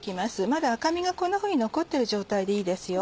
まだ赤みがこんなふうに残ってる状態でいいですよ。